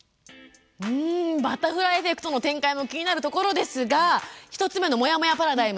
バタフライエフェクトの展開も気になるところですが１つ目の「もやもやパラダイム」